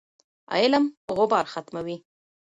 علم غبار ختموي.